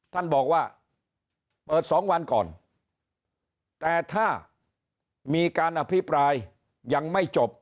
ท่านบอกว่าเปิดสองวันก่อนแต่ถ้ามีการอภิปรายยังไม่จบ